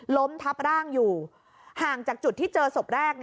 ล้มทับร่างอยู่ห่างจากจุดที่เจอศพแรก